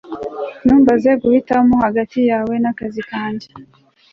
Ntumbaze guhitamo hagati yawe nakazi kanjye